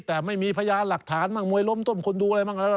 แต่ไม่มีพญาหรักฐานมือยล้มต้มคนดูอะไรล่ะ